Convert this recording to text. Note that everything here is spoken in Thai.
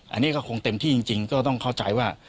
อันนี้ก็คงเต็มที่จริงก็ต้องเข้าใจว่า